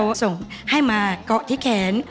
ก็อดที่แขนก็อดที่แขน